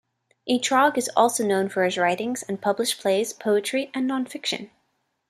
Etrog is also known for his writings and published plays, poetry and non-fiction.